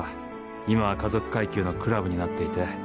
今は華族階級のクラブになっていて